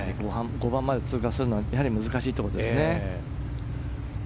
５番まで通過するのは難しいんですね。